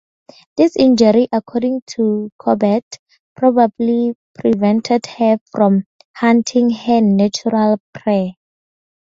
This injury, according to Corbett, probably prevented her from hunting her natural prey.